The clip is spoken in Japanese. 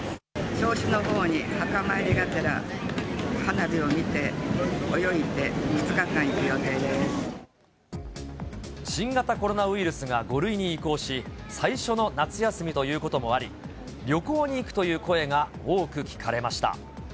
銚子のほうに墓参りがてら、花火を見て、泳いで、２日間行く新型コロナウイルスが５類に移行し、最初の夏休みということもあり、旅行に行くという声が多く聞かれました。